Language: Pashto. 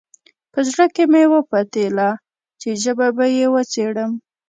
په زړه کې مې وپتېیله چې ژبه به یې وڅېړم.